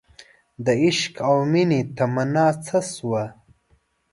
دعشق او مینې تمنا څه شوه